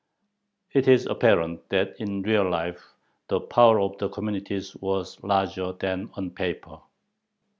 It is apparent that in real life the power of the communities was larger than on paper.